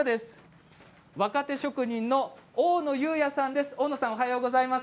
若手職人の大野雄哉さんです。